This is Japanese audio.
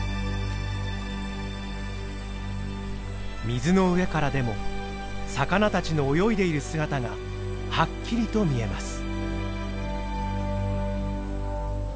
水の上からでも魚たちの泳いでいる姿がはっきりと見えます。